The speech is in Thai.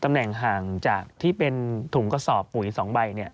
แหน่งห่างจากที่เป็นถุงกระสอบปุ๋ย๒ใบ